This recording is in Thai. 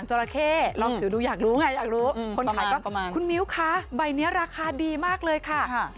คนขายก็คุณนิวค่าใบนี้ราคาดีมากเลยคะ